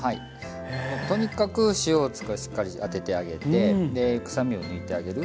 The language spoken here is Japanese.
とにかく塩をしっかりあててあげてくさみを抜いてあげる。